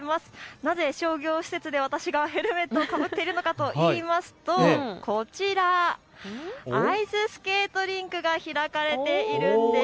なぜ商業施設でヘルメットをかぶっているのかといいますと、こちら、アイススケートリンクが開かれているんです。